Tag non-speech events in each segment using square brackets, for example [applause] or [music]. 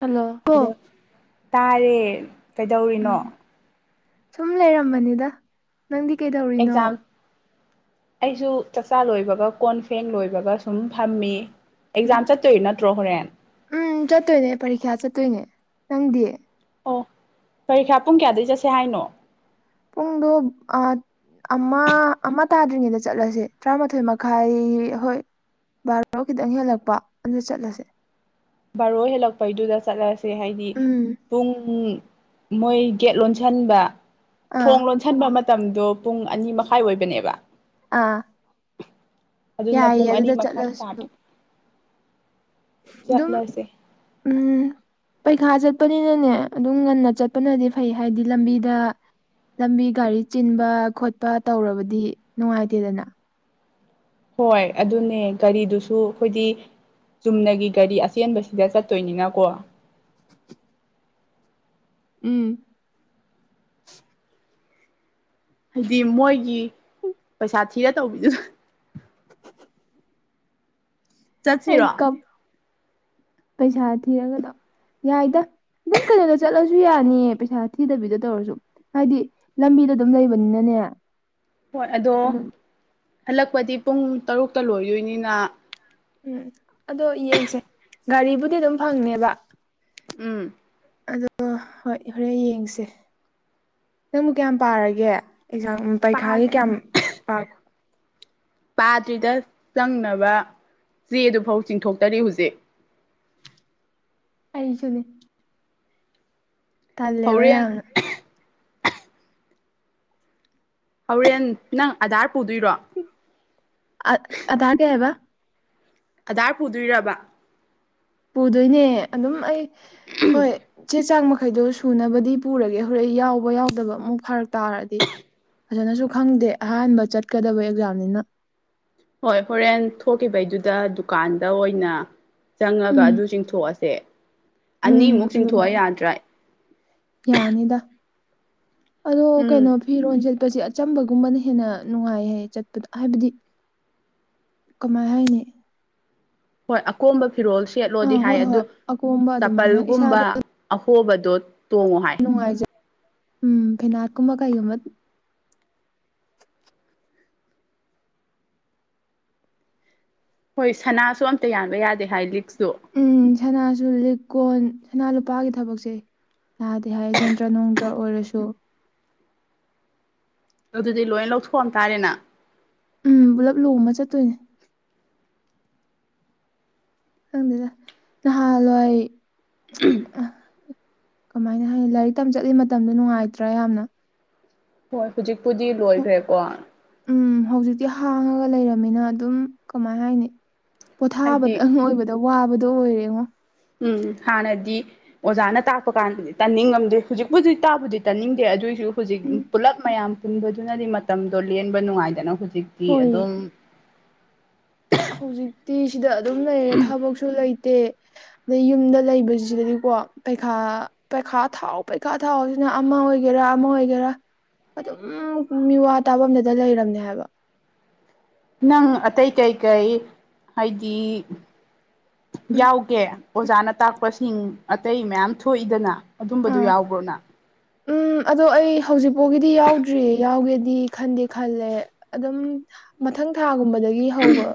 hello ꯑꯣ ꯇꯥꯔꯦ ꯀꯩꯗꯧꯔꯤꯅꯣ ꯎꯝ ꯁꯨꯝ ꯂꯩꯔꯝꯕꯅꯤꯗ ꯅꯪꯗꯤ ꯀꯩꯗꯧꯔꯤꯅꯣ ꯑꯦꯛꯖꯥꯝ ꯑꯩꯁꯨ ꯆꯥꯛꯆꯥ ꯂꯣꯏꯕꯒ ꯀꯣꯟ ꯐꯦꯡ ꯂꯣꯏꯕꯒ ꯁꯨꯝ ꯐꯝꯃꯤ ꯎꯝ ꯑꯦꯛꯖꯥꯝ ꯆꯠꯇꯣꯏ ꯅꯠꯇ꯭ꯔꯣ ꯍꯣꯔꯦꯟ ꯎꯝ ꯆꯠꯇꯣꯏꯅꯦ ꯄꯔꯤꯈ꯭ꯌꯥ ꯆꯠꯇꯣꯏꯅꯦ ꯅꯪꯗꯤꯌꯦ ꯑꯣ ꯄꯔꯤꯈ꯭ꯌꯥ ꯄꯨꯡ ꯀꯌꯥꯗꯩ ꯆꯠꯁꯦ ꯍꯥꯏꯅꯣ ꯄꯨꯡꯗ ꯑ ꯑꯃ ꯑꯃ ꯇꯥꯗ꯭ꯔꯤꯉꯩꯗ ꯆꯠꯂꯁꯦ ꯇꯔꯥꯃꯥꯊꯣꯏ ꯃꯈꯥꯏ ꯍꯣꯏ ꯕꯥꯔꯣ ꯈꯤꯇꯪ ꯍꯦꯜꯂꯛꯄ ꯑꯗꯨꯗ ꯆꯠꯂꯁꯦ ꯕꯥꯔꯣ ꯍꯦꯜꯂꯛꯄꯩꯗꯨꯗ ꯆꯠꯂꯁꯦ ꯍꯥꯏꯗꯤ ꯎꯝ ꯄꯨꯡ ꯃꯣꯏ ꯒꯦꯠ ꯂꯣꯟꯁꯤꯟꯕ ꯑꯥ ꯊꯣꯡ ꯂꯣꯟꯁꯤꯟꯕ ꯃꯇꯝꯗꯣ ꯄꯨꯡ ꯑꯅꯤ ꯃꯈꯥꯏ ꯑꯣꯏꯕꯅꯦꯕ ꯑꯥ ꯑꯗꯨꯅ ꯌꯥꯏꯌꯦ ꯄꯨꯡ ꯑꯅꯤ ꯑꯗꯨꯗ ꯃꯈꯥꯏ ꯆꯠꯂꯁꯨ ꯇꯥꯕ ꯑꯗꯨꯝ ꯎꯝ ꯄꯩꯈꯥ ꯆꯠꯄꯅꯤꯅꯅꯦ ꯑꯗꯨꯝ ꯉꯟꯅ ꯆꯠꯄꯅꯗꯤ ꯐꯩ ꯍꯥꯏꯕꯗꯤ ꯂꯝꯕꯤꯗ ꯂꯝꯕꯤ ꯒꯥꯔꯤ ꯆꯤꯟꯕ ꯈꯣꯠꯄ ꯇꯧꯔꯕꯗꯤ ꯅꯨꯡꯉꯥꯏꯇꯦꯗꯅ ꯍꯣꯏ ꯑꯗꯨꯅꯦ ꯒꯥꯔꯤꯗꯨꯁꯨ ꯑꯩꯈꯣꯏꯗꯤ ꯆꯨꯝꯅꯒꯤ ꯒꯥꯔꯤ ꯑꯆꯦꯟꯕꯁꯤꯗ ꯆꯠꯇꯣꯏꯅꯤꯅꯀꯣ ꯎꯝ ꯍꯥꯏꯗꯤ ꯃꯣꯏꯒꯤ ꯄꯩꯁꯥ ꯊꯤꯔ ꯇꯧꯕꯤꯗꯨꯅ ꯑꯩ ꯆꯠꯁꯤꯔꯣ ꯀꯞ ꯄꯩꯁꯥ ꯊꯤꯔꯒꯗꯝ ꯌꯥꯏꯗ ꯑꯗꯨꯝ ꯀꯩꯅꯣꯗ ꯆꯠꯂꯁꯨ ꯌꯥꯅꯤꯌꯦ ꯄꯩꯁꯥ ꯊꯤꯗꯕꯤꯗ ꯇꯧꯔꯁꯨ ꯍꯥꯏꯗꯤ ꯂꯝꯕꯤꯗ ꯑꯗꯨꯝ ꯂꯩꯕꯅꯤꯅꯅꯦ ꯍꯣꯏ ꯑꯗꯣ ꯑꯗꯨꯝ ꯍꯜꯂꯛꯄꯗꯤ ꯄꯨꯡ ꯇꯔꯨꯛꯇ ꯂꯣꯏꯗꯣꯏꯅꯤꯅ ꯎꯝ ꯑꯗꯣ ꯌꯦꯡꯁꯦ ꯒꯥꯔꯤꯕꯨꯗꯤ ꯑꯗꯨꯝ ꯐꯪꯅꯦꯕ ꯎꯝ ꯑꯗꯣ ꯍꯣꯏ ꯍꯣꯔꯦꯟ ꯌꯦꯡꯁꯦ ꯅꯪꯕꯨ ꯀꯌꯥꯝ ꯄꯥꯔꯒꯦ ꯑꯦꯛꯖꯥꯝ ꯄꯥꯠ ꯄꯩꯈꯥꯒꯤ ꯀꯌꯥꯝ ꯄꯥ ꯄꯥꯗ꯭ꯔꯤꯗ ꯆꯪꯅꯕ ꯆꯦꯗꯨꯐꯥꯎ ꯆꯤꯡꯊꯣꯛꯇꯔꯤ ꯍꯧꯖꯤꯛ ꯀꯔꯤ ꯆꯅꯤ ꯇꯂꯕ ꯍꯣꯔꯦꯟ ꯌꯥꯅ ꯍꯣꯔꯦꯟ ꯅꯪ ꯑꯙꯥꯔ ꯄꯨꯗꯣꯏꯔꯣ ꯑ ꯑꯗꯒꯦꯕ ꯑꯙꯥꯔ ꯄꯨꯗꯣꯏꯔꯕ ꯄꯨꯗꯣꯏꯅꯦ ꯑꯗꯨꯝ ꯑꯩ ꯍꯣꯏ ꯆꯦ ꯆꯥꯡ ꯃꯈ ꯀꯩꯗꯣ ꯁꯨꯅꯕꯗꯤ ꯄꯨꯔꯒꯦ ꯍꯣꯔꯦꯟ ꯌꯥꯎꯕ ꯌꯥꯎꯗꯕ ꯑꯃꯨꯛ ꯐꯔꯛ ꯇꯥꯔꯗꯤ ꯐꯖꯅꯁꯨ ꯈꯪꯗꯦ ꯑꯍꯥꯟꯕ ꯆꯠꯀꯗꯕ ꯑꯦꯛꯖꯥꯝꯅꯤꯅ ꯗ ꯗꯨꯀꯥꯟꯗ ꯑꯣꯏꯅ ꯆꯪꯉꯒ ꯎꯝ ꯑꯗꯨ ꯆꯤꯡꯊꯣꯛꯑꯁꯦ ꯎꯝ ꯑꯅꯤꯃꯨꯛ ꯆꯤꯡꯊꯣꯛꯑ ꯑꯗꯨꯃꯥꯏꯅ ꯌꯥꯗ꯭ꯔꯥ ꯌꯥꯅꯤꯗ ꯑꯗꯣ ꯎꯝ ꯀꯩꯅꯣ ꯐꯤꯔꯣꯟꯖꯠ ꯆꯠꯄꯁꯦ ꯑꯆꯝꯕꯒꯨꯝꯕꯅ ꯍꯦꯟꯅ ꯅꯨꯡꯉꯥꯏ ꯍꯥꯏ ꯆꯠꯄꯗ ꯍꯥꯏꯕꯗꯤ ꯀꯃꯥꯏ ꯍꯥꯏꯅꯤ ꯍꯣꯏ ꯑꯀꯣꯝꯕ ꯐꯤꯔꯣꯜ ꯁꯦꯠꯂꯣꯗꯤ ꯑꯥ ꯍꯥꯏ ꯍꯣꯏ ꯑꯗꯨ ꯍꯣꯏ ꯑꯀꯣꯝꯕ ꯑꯗꯨꯃꯥꯏꯅ ꯆꯄꯜꯒꯨꯝꯕ ꯑꯍꯣꯕꯗ ꯅꯨꯡꯉꯥꯏꯖꯩ ꯎꯝ ꯐꯤꯅꯥꯠꯀꯨꯝꯕ ꯀꯩꯒꯨꯝꯕ ꯍꯣꯏ ꯁꯅꯥꯁꯨ ꯑꯝꯇ ꯌꯥꯟꯕ ꯌꯥꯗꯦ ꯍꯥꯏ ꯂꯤꯛꯁ ꯎ ꯁꯅꯥꯁꯨ ꯂꯤꯛꯀꯣꯟ ꯁꯅꯥ ꯂꯨꯄꯥꯒꯤ ꯊꯕꯛꯁꯦ ꯅꯥꯗꯤ ꯍꯥꯏ ꯖꯟꯗ꯭ꯔ ꯅꯨꯡꯗ꯭ꯔ ꯑꯣꯏꯔꯁꯨ [inaudible] ꯑꯗꯨꯗꯤ ꯂꯣꯏ ꯂꯧꯊꯣꯛꯑꯝꯇꯥꯥꯔꯦꯅ ꯎꯝ ꯄꯨꯂꯞ ꯂꯨꯃ ꯆꯠꯇꯣꯏꯅꯦ ꯈꯪꯗꯦꯗ ꯅꯍꯥꯟꯋꯥꯏ ꯎꯝ ꯑꯗꯨꯃꯥꯏꯅ ꯍꯥꯏ ꯂꯥꯏꯔꯤꯛ ꯇꯝ ꯆꯠꯂꯤ ꯃꯇꯝꯗꯣ ꯅꯨꯡꯉꯥꯏꯇ꯭ꯔꯥ ꯌꯥꯝꯅ ꯍꯣꯏ ꯍꯧꯖꯤꯛꯄꯨꯗꯤ ꯍꯧ- ꯂꯣꯏꯈ꯭ꯔꯦꯀꯣ ꯎꯝ ꯍꯧꯖꯤꯛꯇꯤ ꯍꯥꯡꯉꯒ ꯂꯩꯔꯕꯝꯃꯤꯅ ꯑꯗꯨꯝ ꯀꯃꯥꯏ ꯍꯥꯏꯅꯤ ꯍꯥꯏꯗꯤ ꯄꯣꯊꯥꯕꯗ ꯑ ꯑꯣꯏꯕꯗ ꯋꯥꯕꯗꯣ ꯑꯣꯏꯔꯦ ꯌꯦꯉꯣ ꯎꯝ ꯍꯥꯟꯅꯗꯤ ꯑꯣꯖꯥꯅ ꯇꯥꯛꯄ ꯀꯥꯟꯗꯗꯤ ꯇꯥꯅꯤꯡꯉꯝꯗꯦ ꯍꯧꯖꯤꯛꯄꯨ ꯍꯧꯖꯤꯛ ꯇꯥꯕꯨꯗꯤ ꯇꯥꯅꯤꯡꯗꯦ ꯑꯗꯨꯑꯣꯏꯁꯨ ꯍꯧꯖꯤꯛ ꯎꯝ ꯄꯨꯜꯂꯞ ꯃꯌꯥꯝ ꯄꯨꯟꯕꯗꯨꯅꯗꯤ ꯃꯇꯝꯗꯣ ꯂꯦꯟꯕ ꯅꯨꯡꯉꯥꯏꯗꯅ ꯍꯧꯖꯤꯛꯇꯤ ꯍꯣꯏ ꯑꯗꯨꯝ ꯍꯧꯖꯤꯛꯇꯤ ꯁꯤꯗ ꯑꯗꯨꯝ ꯂꯩꯔꯦ ꯊꯕꯛꯁꯨ ꯂꯩꯇꯦ ꯑꯗꯩ ꯌꯨꯝꯗ ꯂꯩꯕꯁꯤꯗꯗꯤꯀꯣ ꯄꯩꯈꯥ ꯄꯩꯈꯥ ꯊꯥꯎ ꯄꯩꯈꯥ ꯊꯥꯎꯁꯤꯅ ꯑꯃ ꯑꯣꯏꯒꯦꯔ ꯑꯃꯃꯥꯒꯦꯔ ꯑꯗꯨꯝ ꯃꯤꯋꯥ ꯇꯥꯐꯝꯗꯨꯗ ꯂꯩꯔꯝꯅꯦ ꯍꯥꯏꯕ ꯅꯪ ꯑꯇꯩ ꯀꯩꯀꯩ ꯍꯥꯏꯗꯤ ꯎꯝ ꯌꯥꯎꯒꯦ ꯑꯣꯖꯥꯅ ꯇꯥꯛꯄꯁ ꯤꯡ ꯑꯇꯩ ꯃꯌꯥꯝ ꯊꯣꯛꯏꯗꯅ ꯑꯗꯨꯝꯕꯗꯨ ꯌꯥꯎꯕ꯭ꯔꯣꯅ ꯑ ꯑꯩ ꯍꯧꯖꯤꯛ ꯐꯥꯎꯒꯤꯗꯤ ꯌꯥꯎꯗ꯭ꯔꯤ ꯌꯥꯎꯒꯦ ꯈ ꯈꯂꯦ ꯑꯗꯨꯝ ꯃꯊꯪ ꯊ ꯀꯨꯝꯕꯗꯒꯤ ꯍꯧꯕ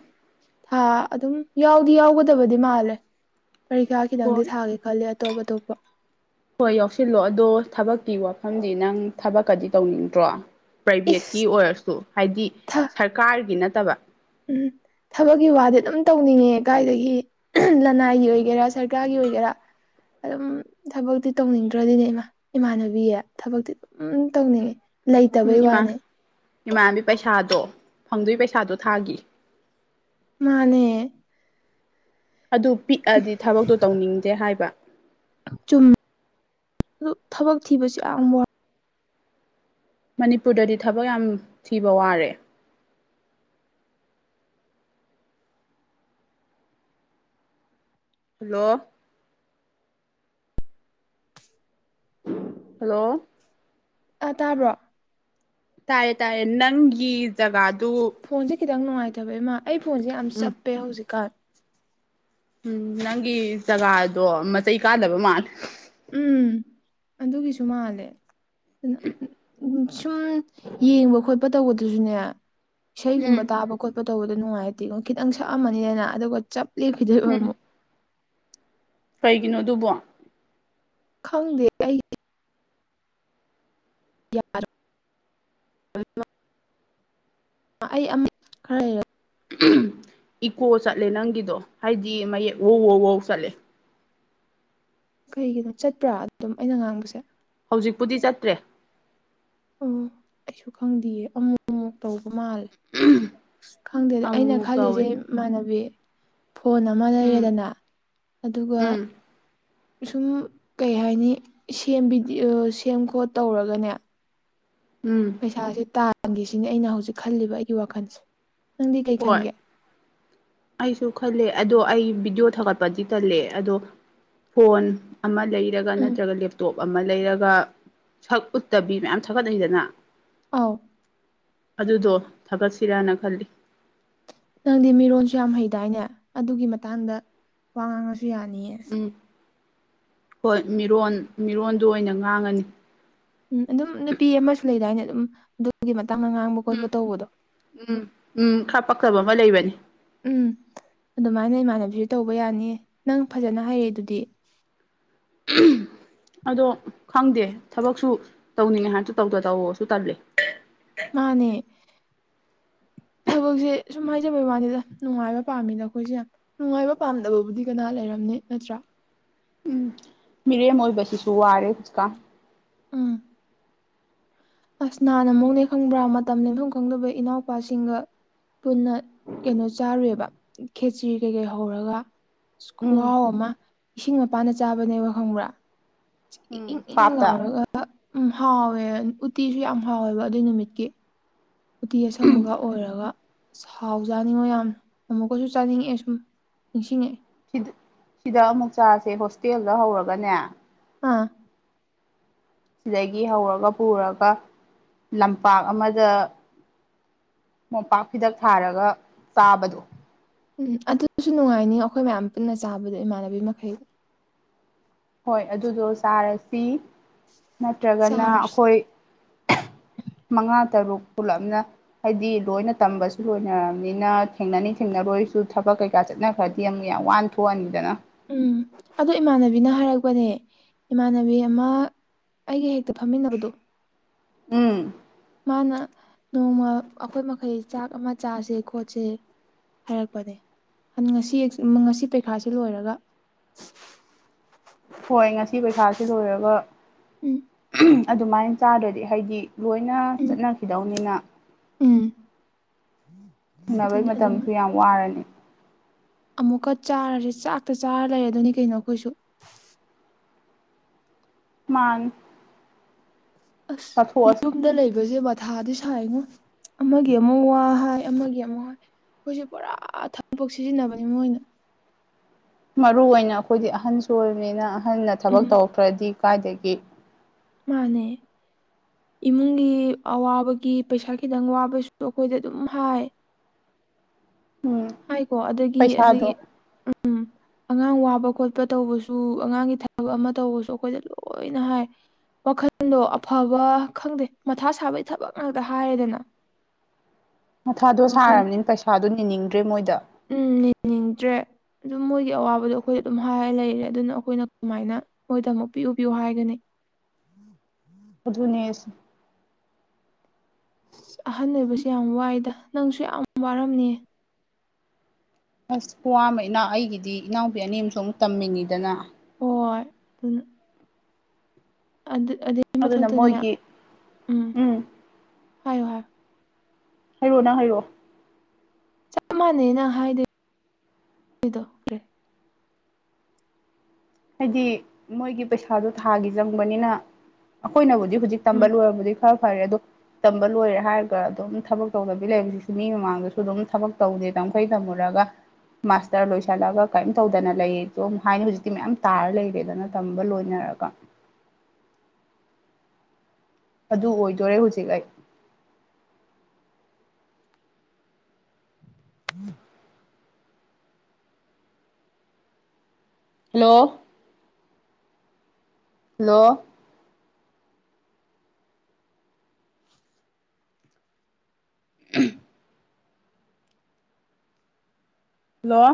ꯊꯥ ꯑꯗꯨꯝ ꯌꯥꯎꯗꯤ ꯌꯥꯎꯒꯗꯕꯗꯤ ꯃꯥꯜꯂꯦ ꯄꯔꯤꯈꯥ ꯈꯤꯇꯪꯗꯤ ꯍꯣꯏ ꯊꯥꯒꯦ ꯈꯜꯂꯤꯦ ꯑꯇꯣꯞ ꯑꯇꯣꯞꯄ ꯍꯣꯏ ꯌꯥꯎꯁꯤꯜꯂꯣ ꯑꯗꯣ ꯊꯕꯛꯀꯤ ꯋꯥꯐꯝꯗꯤ ꯅꯪ ꯊꯕꯛꯀꯗꯤ ꯇꯧꯅꯤꯡꯗ꯭ꯔꯣ ꯏꯁ ꯄ꯭ꯔꯥꯏꯚꯦꯠꯀꯤ ꯑꯣꯏꯔꯁꯨ ꯍꯥꯏꯗꯤ ꯊꯥ ꯁꯔꯀꯥꯔꯒꯤ ꯅꯠꯇꯕ ꯎꯝ ꯊꯕꯛꯀꯤ ꯋꯥꯗꯤ ꯑꯗꯨꯝ ꯇꯧꯅꯤꯡꯉꯦ ꯀ ꯀꯥꯏꯗꯒꯤ ꯂꯅꯥꯏꯒꯤ ꯑꯣꯏꯒꯦꯔꯥ ꯁꯔꯀꯥꯔꯒꯤ ꯑꯣꯏꯒꯦꯔꯥ ꯑꯗꯨꯝ ꯊꯕꯛꯇꯤ ꯇꯧꯅꯤꯡꯗ꯭ꯔꯗꯤꯅꯦ ꯏꯃꯥ ꯏꯃꯥꯟꯅꯕꯤꯌꯦ ꯊꯕꯛꯇꯤ ꯑꯗꯨꯝ ꯇꯧꯅꯤꯡꯉꯤ ꯂꯩꯇꯕꯩ ꯋꯥꯅꯦ ꯏꯃꯥꯟꯅꯕꯤ ꯄꯩꯁꯥꯗꯣ ꯐꯪꯗꯣꯏꯒꯤ ꯄꯩꯁꯥꯗꯣ ꯊꯥꯒꯤ ꯃꯥꯅꯦ ꯑꯗꯨ ꯄꯤꯛꯑꯗꯤ ꯊꯕꯛꯇꯣ ꯇꯧꯅꯤꯡꯗꯦ ꯍꯥꯏꯕ ꯆꯨꯝꯃꯦ ꯑꯗꯨ ꯊꯕꯛ ꯊꯤꯕꯁꯨ ꯌꯥꯝ ꯋꯥ ꯃꯅꯤꯄꯨꯔꯗꯗꯤ ꯊꯕꯛ ꯌꯥꯝ ꯊꯤꯕ ꯋꯥꯔꯦ ꯍꯜꯂꯣ ꯍꯜꯂꯣ ꯑ ꯇꯥꯕ꯭ꯔꯣ ꯇꯥꯏꯌꯦ ꯇꯥꯏꯌꯦ ꯅꯪꯒꯤ ꯖꯒꯥꯗꯨ ꯐꯣꯟꯁꯦ ꯈꯤꯇꯪ ꯅꯨꯡꯉꯥꯏꯇꯕ ꯏꯃꯥ ꯑꯩ ꯐꯣꯟꯁꯦ ꯌꯥꯝ ꯎꯝ ꯆꯞꯄꯦ ꯍꯧꯖꯤꯛꯀꯥꯟ ꯎꯝ ꯅꯪꯒꯤ ꯖꯒꯥꯗꯣ ꯃꯆꯩ ꯀꯥꯟꯗꯕ ꯃꯥꯂ ꯎꯝ ꯑꯗꯨꯒꯤꯁꯨ ꯃꯥꯜꯂꯦ ꯑꯗꯨꯅ ꯎ ꯁꯨꯝ ꯌꯦꯡꯕ ꯈꯣꯠꯄ ꯇꯧꯕꯗꯨꯁꯨꯅꯦ ꯏꯁꯩꯒꯨꯝꯕ ꯎꯝ ꯇꯥꯕ ꯈꯣꯠꯄ ꯇꯧꯕꯗꯣ ꯅꯨꯡꯉꯥꯏꯇꯦꯣ ꯈꯤꯇꯪ ꯁꯛꯑꯝꯃꯅꯤꯗꯅ ꯑꯗꯨꯒ ꯆꯞꯂꯤ ꯐꯈꯤꯗꯣꯏꯕ ꯎꯝ ꯑꯃꯨꯛ ꯀꯩꯒꯤꯅꯣ ꯑꯗꯨꯕꯣ ꯈꯪꯗꯏ ꯌꯥꯔ ꯑꯩ ꯑꯃ ꯈꯔꯔꯛ ꯏꯀꯣ ꯆꯠꯂꯦ ꯅꯪꯒꯤꯗꯣ ꯍꯥꯏꯗꯤ ꯃꯌꯦꯛ ꯋꯧꯋꯋꯧ ꯆꯠꯂꯦ ꯀꯩꯒꯤꯅꯣ ꯆꯠꯄ꯭ꯔꯥ ꯑꯗꯨꯝ ꯑꯩꯅ ꯉꯥꯡꯕꯁꯦ ꯍꯧꯖꯤꯛꯄꯨꯗꯤ ꯆꯠꯇ꯭ꯔꯦ ꯑꯣ ꯑꯩꯁꯨ ꯈꯪꯗꯦꯌꯦ ꯑ ꯇꯧꯕ ꯃꯥꯜꯂꯦ ꯈꯪꯗꯦꯗ ꯑꯩꯅ ꯑꯃꯨꯛꯃꯨꯛ ꯇꯧꯋꯦ ꯈꯜꯂꯤꯁꯦ ꯏꯃꯥꯟꯅꯕꯤ ꯐꯣꯟ ꯑꯃ ꯎꯝ ꯂꯩꯌꯦꯗꯅ ꯑꯗꯨꯒ ꯎꯝ ꯁꯨꯝ ꯀꯩ ꯍꯥꯏꯅꯤ ꯁꯦꯝ ꯈꯣꯠ ꯇꯧꯔꯒꯅꯦ ꯎꯝ ꯄꯩꯁꯥꯁꯦ ꯇꯥꯡꯒꯦꯁꯤꯅꯤ ꯑꯩꯅ ꯍꯧꯖꯤꯛ ꯈꯜꯂꯤꯕ ꯑꯩꯒꯤ ꯋꯥꯈꯜꯁꯦ ꯅꯪꯗꯤ ꯀꯩ ꯍꯣꯏ ꯈꯟꯒꯦ ꯑꯩꯁꯨ ꯈꯂꯦ ꯑꯗꯣ ꯑꯩ ꯚꯗꯤꯑꯣ ꯊꯥꯒꯠꯄꯗꯤ ꯇꯜꯂꯦ ꯑꯗꯣ ꯐꯣꯟ ꯑꯃ ꯂꯩꯔꯒ ꯎꯝ ꯅꯠꯇ꯭ꯔꯒ ꯂꯦꯞꯇꯣꯞ ꯑꯃ ꯂꯩꯔꯒ ꯁꯛ ꯎꯠꯇꯕꯤ ꯃꯌꯥꯝ ꯊꯒꯠꯅꯩꯗꯅ ꯑ ꯑꯗꯨꯗꯣ ꯊꯥꯒꯠꯁꯤꯔꯥꯅ ꯈꯜꯂꯤ ꯅꯪꯗꯤ ꯃꯤꯔꯣꯟꯁꯨ ꯌꯥꯝ ꯍꯩꯗꯥꯏꯅꯦ ꯑꯗꯨꯒꯤ ꯃꯇꯥꯡꯗ ꯋꯥ ꯉꯥꯡꯉꯁꯨ ꯀ꯭ꯔꯤꯌꯥꯅꯤꯁ ꯎꯝ ꯍꯣꯏ ꯃꯤꯔꯣꯟ ꯃꯤꯔꯣꯟꯜꯗꯨ ꯑꯣꯏꯅ ꯉꯥꯡꯉꯅꯤ ꯎꯝ ꯑꯗꯨꯝ ꯅꯨꯄꯤ ꯑꯃꯁꯨ ꯂꯩꯗꯥꯏꯅ ꯑꯗꯨꯝ ꯑꯗꯨꯒꯤ ꯃꯇꯥꯡꯗ ꯉꯥꯡꯕ ꯎꯝ ꯈꯣꯠꯄ ꯇꯧꯕꯗꯣ ꯎꯝ ꯎꯝ ꯈꯥ ꯄꯛꯊꯕ ꯑꯃ ꯂꯩꯕꯅꯤ ꯎꯝ ꯑꯗꯨꯃꯥꯏꯅ ꯏꯃꯥꯟꯅꯕꯤꯁꯨ ꯇꯧꯕ ꯌꯥꯅꯤꯌꯦ ꯅꯪ ꯐꯖꯅ ꯍꯥꯏꯔꯛꯑꯦ ꯑꯗꯨꯗꯤ ꯑꯗꯣ ꯈꯪꯗꯦ ꯊꯕꯛꯁꯨ ꯇꯧꯅꯤꯡꯉꯦ ꯍꯥꯏꯁꯨ ꯇꯧꯗ ꯇꯧꯁꯨ ꯇꯜꯂꯤ ꯃꯥꯅꯦ [inaudible] ꯊꯕꯛꯁꯦ ꯁꯨꯝ ꯍꯥꯏꯖꯕꯩ ꯋꯥꯅꯤꯗ ꯅꯨꯡꯉꯥꯏꯕ ꯄꯥꯝꯃꯤꯅ ꯑꯩꯈꯣꯏꯁꯦ ꯌꯥꯝ ꯅꯨꯡꯉꯥꯏꯕ ꯄꯥꯝꯗꯕꯕꯨꯗꯤ ꯀꯅꯥ ꯂꯩ ꯂꯩꯔꯝꯅꯦ ꯅꯠꯇ꯭ꯔꯥ ꯃꯦ ꯃꯣ ꯁꯁꯨ ꯑꯔꯦꯀ ꯑꯥ ꯑꯁꯅꯥꯅ ꯑꯃꯨꯛꯅꯦ ꯈꯪꯕ꯭ꯔꯥ ꯃꯇꯝ ꯅꯦꯝꯐꯝ ꯈꯪꯗꯕ ꯏꯅꯥꯎꯄꯥꯁꯤꯡꯒ ꯄꯨꯟꯅ ꯀꯩꯅꯣ ꯆꯥꯔꯨꯦꯕ ꯈꯦꯆ꯭ꯔꯤ ꯀꯩꯀꯩ ꯍꯧꯔꯒ ꯎꯝ ꯈ꯭ꯍꯥꯎ ꯑꯃ ꯏꯁꯤꯡ ꯃꯄꯥꯟꯅ ꯆꯥꯕꯅꯦꯕ ꯈꯪꯕ꯭ꯔꯥ ꯏ ꯄꯥꯞꯇ ꯏꯧꯔꯒ ꯎꯝ ꯍꯥꯎꯋꯦ ꯎꯇꯤꯁꯨ ꯌꯥꯝ ꯍꯥꯎꯋꯦꯕ ꯑꯗꯨꯏ ꯅꯨꯃꯤꯠꯀꯤ ꯎꯇꯤ ꯑꯁꯪꯕꯒ ꯑꯣꯏꯔꯒ ꯁꯥꯎ ꯆꯥꯅꯤꯡꯉꯣ ꯌꯥꯝ ꯑꯃꯨꯛꯀꯁꯨ ꯆꯥꯅꯤꯡꯉꯛꯑꯦ ꯁꯨꯝ ꯅꯤꯡꯁꯤꯡꯉ ꯁꯤꯗ ꯁꯤꯗ ꯑꯃꯨꯛ ꯆꯁꯦ ꯍꯣꯁꯇꯦꯜꯗ ꯍꯧꯔꯒꯅꯦ ꯑꯥ ꯁꯤꯗꯒꯤ ꯍꯧꯔꯒ ꯄꯨꯔꯒ ꯂꯝꯄꯥꯛ ꯑꯃꯗ ꯃꯣꯝꯄꯥꯛ ꯍꯤꯗꯛ ꯊꯥꯔꯒ ꯆꯥꯕꯗꯣ ꯎꯝ ꯑꯗꯨꯁꯨ ꯅꯨꯡꯉꯥꯏꯅꯤ ꯑꯩꯈꯣꯏ ꯃꯌꯥꯝ ꯄꯨꯟꯅ ꯆꯥꯕꯗꯣ ꯏꯃꯥꯟꯅꯕꯤ ꯃꯈꯩ ꯍꯣꯏ ꯑꯗꯨꯗꯣ ꯆꯥꯔꯁꯤ ꯅꯠꯇ꯭ꯔꯒꯅ ꯆꯥꯔꯁꯦ ꯑꯩꯈꯣꯏ ꯃꯉꯥ ꯇꯔꯨꯛ ꯄꯨꯂꯞꯅ ꯍꯥꯏꯗꯤ ꯂꯣꯏꯅ ꯇꯝꯕꯁꯨ ꯂꯣꯏꯅꯔꯕꯅꯤꯅ ꯊꯦꯡꯅꯅꯤꯡ ꯊꯦꯡꯅꯔꯣꯏꯁꯨ ꯊꯕꯛ ꯀꯩꯀꯥ ꯆꯠ ꯆꯠꯅ ꯈ꯭ꯔꯗꯤ ꯑꯃꯨꯛ ꯌꯥꯝ ꯋꯥꯟ ꯊꯣꯛꯑꯅꯤꯗꯅ ꯎꯝ ꯑ ꯏꯃꯥꯟꯅꯕꯤꯅ ꯍꯥꯏꯔꯛꯄꯅꯦ ꯏꯃꯥꯟꯅꯕꯤ ꯑꯃ ꯑꯩꯒ ꯍꯦꯛꯇ ꯐꯝꯃꯤꯟꯅꯕꯗꯨꯣ ꯎꯝ ꯃꯥꯅ ꯅꯣꯡꯃ ꯑꯩꯈꯣꯏ ꯃꯈꯩ ꯆꯥꯛ ꯑꯃ ꯆꯥꯁꯦ ꯈꯣꯠꯁꯦ ꯍꯥꯏꯔꯛꯄꯅꯦ ꯉꯁꯤ ꯉꯁꯤ ꯄꯔꯤꯈꯥꯥꯁ ꯂꯣꯏꯔꯒ ꯍꯣꯏ ꯉꯁꯤ ꯄꯩꯈꯥꯁꯦ ꯂꯣꯏꯔꯒ ꯎꯝ ꯑꯗꯨꯃꯥꯏꯅ ꯆꯥꯗ꯭ꯔꯗꯤ ꯍꯥꯏꯗꯤ ꯂꯣꯏꯅ ꯎꯝ ꯆꯠꯅꯈꯤꯗꯧꯅꯤꯅ ꯎꯝ ꯊꯤꯡꯅꯕꯩ ꯑꯗꯨꯅꯤ ꯑꯗꯨꯝ ꯃꯇꯝꯁꯨ ꯌꯥꯝ ꯋꯥꯔꯅꯤ ꯑꯃꯨꯛꯀ ꯆꯥꯔꯁꯦ ꯆꯥꯛꯇ ꯆꯥꯔ ꯂꯩꯔ ꯑꯗꯨꯅꯤ ꯀꯩꯅꯣ ꯑꯩꯈꯣꯏꯁꯨ ꯃꯥꯥꯡ ꯑꯁ ꯌꯨꯝꯗ ꯂꯩꯕꯁꯦ ꯃꯊꯥꯗꯤ ꯁꯥꯏꯉꯣ ꯑꯃꯒꯤ ꯑꯃꯨꯛ ꯋꯥ ꯍꯥꯏ ꯑꯃꯒꯤ ꯑꯃꯨꯛ ꯋꯥ ꯑꯩꯈꯣꯏꯁꯨꯦ ꯄꯨꯔꯥ ꯊꯕꯛꯄ ꯁꯤꯖꯤꯟꯅꯕꯅꯤ ꯃꯣꯏꯅ ꯃꯔꯨ ꯑꯣꯏꯅ ꯑꯩꯈꯣꯏꯗꯤ ꯑꯍꯟꯁꯨ ꯑꯣꯏꯕꯅꯤꯅ ꯑꯍꯟꯅ ꯊꯕꯛ ꯎꯝ ꯇꯧꯔꯛꯈ꯭ꯔꯗꯤ ꯀꯥꯏꯗꯒꯤ ꯃꯥꯅꯦ ꯏꯃꯨꯡꯒꯤ ꯑꯋꯥꯕꯒꯤ ꯄꯩꯁꯥ ꯈꯤꯇꯪ ꯋꯥꯕꯁꯨ ꯑꯩꯈꯣꯏꯗ ꯑꯗꯨꯝ ꯍꯥꯏ ꯎꯝ ꯍꯥꯏꯀꯣ ꯑꯗꯒꯤ ꯑꯗꯒꯤ ꯄꯩꯁꯥꯗꯣ ꯎꯝ ꯑꯉꯥꯡ ꯋꯥꯕ ꯈꯣꯠꯄ ꯇꯧꯕꯁꯨ ꯑꯉꯥꯡꯒꯤ ꯊꯕꯛ ꯑꯃ ꯇꯧꯕꯁꯨ ꯑꯩꯈꯣꯏꯗ ꯂꯣꯏꯅ ꯍꯥꯏ ꯋꯥꯈꯜꯗꯣ ꯑꯐꯕ ꯈꯪꯗꯦ ꯃꯊꯥ ꯁꯥꯕꯒꯤ ꯊꯕꯛ ꯉꯥꯛꯇ ꯍꯥꯏꯔꯦꯗꯅ ꯃꯊꯥꯗꯣ ꯋꯥꯈꯜ ꯁꯥꯔꯕꯅꯤꯅ ꯄꯩꯁꯥꯗꯣ ꯅꯤꯅꯤꯡꯗ꯭ꯔꯦ ꯃꯣꯏꯗ ꯅꯤꯡꯗ꯭ꯔꯦ ꯑꯗꯨꯝ ꯃꯣꯏꯒꯤ ꯑꯋꯥꯕꯗꯣ ꯑꯩꯈꯣꯏꯗ ꯑꯗꯨꯝ ꯍꯥꯏ ꯂꯩꯔꯦ ꯑꯗꯨꯅ ꯑꯩꯈꯣꯏꯅ ꯀꯃꯥꯏꯅ ꯃꯣꯏꯗꯃꯛ ꯄꯤꯎ ꯄꯤꯌꯎ ꯍꯥꯏꯒꯅꯤ ꯎꯝ ꯑꯙꯨꯅꯦꯁ ꯑꯍꯟ ꯑꯣꯏꯕꯁꯦ ꯌꯥꯝ ꯋꯥꯏꯗ ꯅꯪꯁꯨ ꯌꯥꯝ ꯋꯥꯔꯝꯅꯤ ꯑꯁ ꯋꯥꯋꯥꯝꯕ ꯏꯅꯥꯎ ꯑꯩꯒꯤꯗꯤ ꯏꯅꯥꯎꯄꯤ ꯑꯅꯤ ꯑ ꯑꯃꯁꯨ ꯑꯃꯨꯛ ꯇꯝꯃꯤꯉꯤꯗꯅ ꯍꯣꯏ ꯑꯗꯨꯅ ꯑꯗꯨꯒꯤ ꯑꯗꯨꯅ ꯃꯊꯛꯇꯅꯦ ꯃꯣꯏꯒꯤ ꯎꯝ ꯍꯥꯏꯌꯣ ꯍꯥꯏꯌꯣ ꯍꯥꯏꯔꯣ ꯅ ꯍꯥꯏꯔꯑꯣ ꯆꯞ ꯃꯥꯟꯅꯩ ꯅꯪ ꯍꯥꯏꯗꯦꯗꯣ ꯍꯥꯏꯗꯤ ꯃꯣꯏꯒꯤ ꯄꯩꯁꯥꯗꯣ ꯊꯥꯒꯤ ꯆꯪꯕꯅꯤꯅ ꯑꯩꯈꯣꯏꯅꯕꯨꯗꯤ ꯍꯧꯣꯏ ꯎꯝ ꯇꯝꯝꯕꯜꯂꯨ ꯃ ꯈꯥ ꯐꯔꯦ ꯑꯣ ꯇꯝꯕ ꯂꯣꯏꯔꯦ ꯍꯥꯏꯔꯒ ꯑꯗꯨꯝ ꯊꯕꯛ ꯇꯧꯗꯕꯤ ꯂꯩ ꯍꯧꯖꯤꯛꯁꯨ ꯃꯤ ꯃꯃꯥꯡꯗꯁꯨ ꯑꯗꯨꯝ ꯊꯕꯛ ꯇꯧꯗꯦꯅ ꯈꯩ ꯇꯝꯃꯨꯔꯒ ꯃꯥꯁꯇꯔ ꯂꯣꯏꯁꯜꯂꯒ ꯀꯔꯤꯝ ꯇꯧꯗꯅ ꯂꯩꯌꯦ ꯍꯥꯏꯅ ꯍꯧꯖꯤꯛꯇꯤ ꯃꯌꯥꯝ ꯇꯥꯔ ꯂꯩꯔꯦꯗꯅ ꯇꯝꯕ ꯂꯣꯏꯅꯔꯒ ꯑꯗꯨ ꯑꯣꯏꯗꯣꯔꯦ ꯍꯧꯖꯤꯛ ꯑꯩ ꯎꯝ ꯍꯜꯂꯣ ꯍꯜꯂꯣ [unintelligible] ꯍꯜꯂꯣ